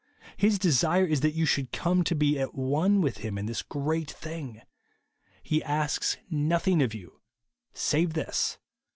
His desire is that you should come to be at one with him in this great thing. He asks nothing of you, save this.